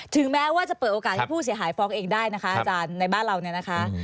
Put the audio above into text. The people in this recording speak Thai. ถึงแม้ว่าจะเปิดโอกาสให้ผู้เสียหายฟ้องเองได้นะคะอาจารย์ในบ้านเราเนี่ยนะคะ